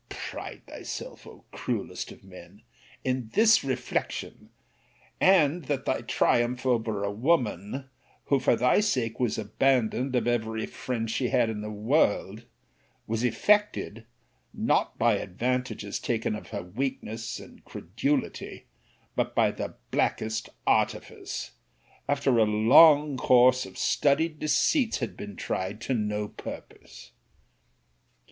—Pride thyself, O cruellest of men! in this reflection; and that thy triumph over a woman, who for thy sake was abandoned of every friend she had in the world, was effected; not by advantages taken of her weakness and credulity; but by the blackest artifice; after a long course of studied deceits had been tried to no purpose.